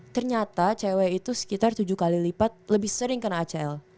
ternyata cewek itu sekitar tujuh kali lipat lebih sering kena acl